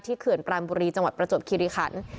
เขื่อนปรานบุรีจังหวัดประจวบคิริคัน